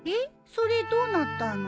それどうなったの？